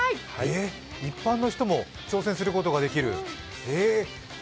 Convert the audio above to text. えっ、一般の人も挑戦することができる！？